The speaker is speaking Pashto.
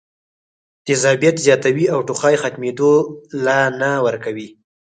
تېزابيت زياتوي او ټوخی ختمېدو له نۀ ورکوي